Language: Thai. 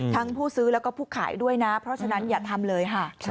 ผู้ซื้อแล้วก็ผู้ขายด้วยนะเพราะฉะนั้นอย่าทำเลยค่ะ